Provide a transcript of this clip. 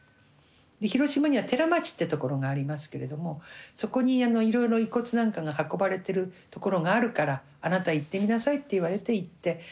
広島には寺町ってところがありますけれどもそこにいろいろ遺骨なんかが運ばれてるところがあるからあなた行ってみなさいって言われて行って。